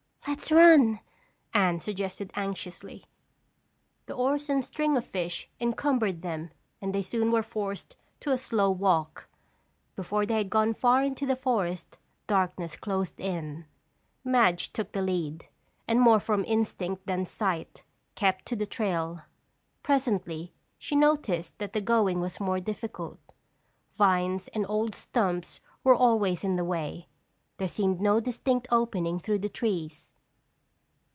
"Let's run," Anne suggested anxiously. The oars and string of fish encumbered them and they soon were forced to a slow walk. Before they had gone far into the forest, darkness closed in. Madge took the lead, and more from instinct than sight, kept to the trail. Presently, she noticed that the going was more difficult. Vines and old stumps were always in the way; there seemed no distinct opening through the trees.